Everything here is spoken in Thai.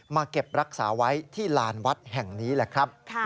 เก็บรักษาไว้ที่ลานวัดแห่งนี้แหละครับ